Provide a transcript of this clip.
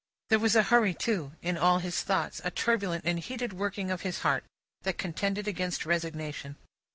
There was a hurry, too, in all his thoughts, a turbulent and heated working of his heart, that contended against resignation.